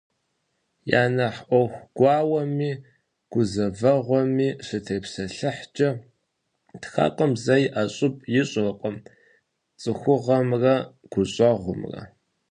Я нэхъ ӏуэху гуауэми гузэвэгъуэми щытепсэлъыхькӏэ, тхакӏуэм зэи ӏэщӏыб ищӏыркъым цӏыхугъэмрэ гущӏэгъумрэ.